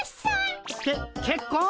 けけっこん！？